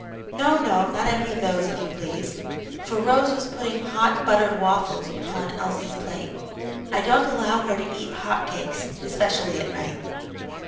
"No, no; not any of those, if you please," for Rose was putting hot, buttered waffles upon Elsie's plate; "I don't allow her to eat hot cakes, especially at night."